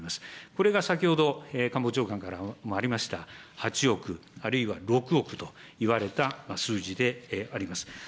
これが先ほど官房長官からもありました、８億あるいは６億といわれた数字であります。